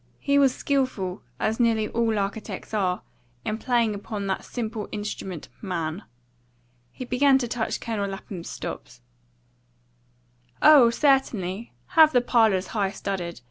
He was skilful, as nearly all architects are, in playing upon that simple instrument Man. He began to touch Colonel Lapham's stops. "Oh, certainly, have the parlours high studded.